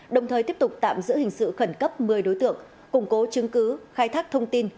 đồng thời tiếp tục tạm giữ hình sự khẩn cấp một mươi đối tượng củng cố chứng cứ khai thác thông tin